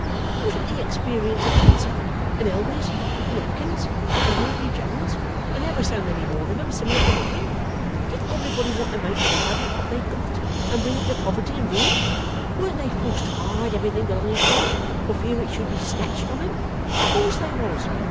Wasn't the experience of Dancer, and Elwes, and Hopkins, and Blewbury Jones, and ever so many more of 'em, similar to mine? Didn't everybody want to make grabs at what they'd got, and bring 'em to poverty and ruin? Weren't they forced to hide everything belonging to 'em, for fear it should be snatched from 'em? Of course they was.